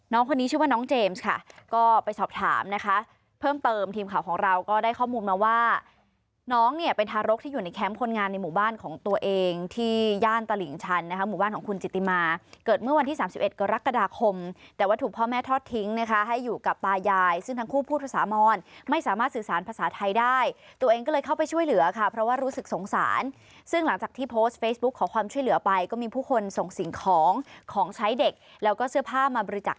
น้องคนนี้ชื่อว่าน้องเจมส์ค่ะก็ไปสอบถามนะคะเพิ่มเติมทีมข่าวของเราก็ได้ข้อมูลมาว่าน้องเนี่ยเป็นทารกที่อยู่ในแคมป์คนงานในหมู่บ้านของตัวเองที่ย่านตลิงชันนะคะหมู่บ้านของคุณเจติมาเกิดเมื่อวันที่สามสิบเอ็ดก็รักกระดาษคมแต่ว่าถูกพ่อแม่ทอดทิ้งนะคะให้อยู่กับตายายซึ่งทั้งคู่พูดภาษามอนไม่สามา